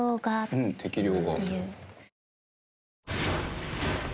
うん「適量が」。